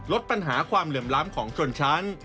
ลดปัญหาความเหลื่อมล้ำของชนชั้น